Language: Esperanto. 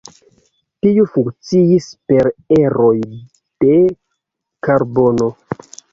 Tiu funkciis per eroj de karbono.